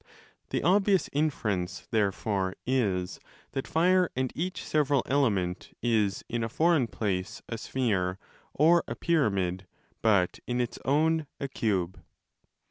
The obvious inference, there fore, is that fire and each several element is in a foreign place a sphere or a pyramid, but in its own a cube.